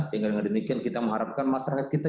sehingga dengan demikian kita mengharapkan masyarakat kita